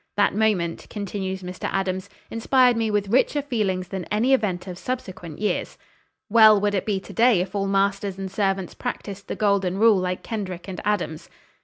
That moment," continues Mr. Adams, "inspired me with richer feelings than any event of subsequent years." Well would it be to day if all masters and servants practised the golden rule like Kendrick and Adams.